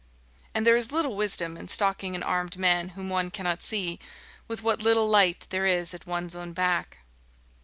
And there is little wisdom in stalking an armed man whom one cannot see, with what little light there is at one's own back.